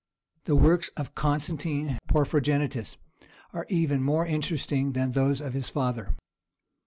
The works of Constantine Porphyrogenitus are even more interesting than those of his father.